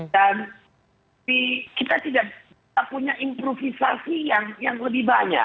dan kita tidak punya improvisasi yang lebih banyak